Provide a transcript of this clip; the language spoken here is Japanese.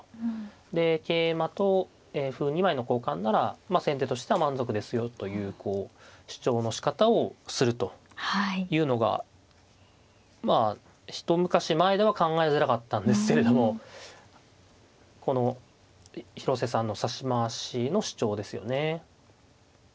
で桂馬と歩２枚の交換なら先手としては満足ですよというこう主張のしかたをするというのが一昔前では考えづらかったんですけれどもこの広瀬さんの指し回しの主張ですよね。